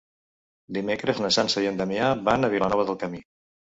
Dimecres na Sança i en Damià van a Vilanova del Camí.